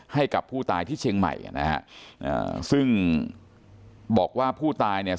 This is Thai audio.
ให้กับผู้ตายที่เชียงใหม่นะฮะอ่าซึ่งบอกว่าผู้ตายเนี่ย